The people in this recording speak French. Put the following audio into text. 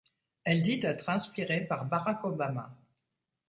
Elle dit être inspirée par Barack Obama.